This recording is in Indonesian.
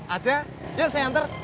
ada yuk saya antar